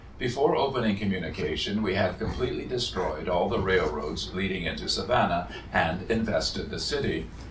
Before opening communication we had completely destroyed all the railroads leading into Savannah, and invested the city.